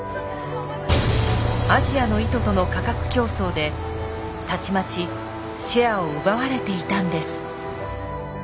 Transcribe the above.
アジアの糸との価格競争でたちまちシェアを奪われていたんです。